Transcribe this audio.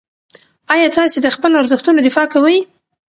آیا تاسې د خپلو ارزښتونو دفاع کوئ؟